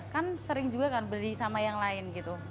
kan sering juga kan beli sama yang lain gitu